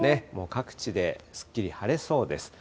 各地ですっきり晴れそうです。